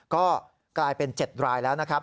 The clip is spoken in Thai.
ก็กลายเป็น๗รายแล้วนะครับ